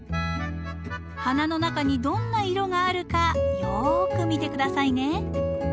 花の中にどんな色があるかよく見て下さいね。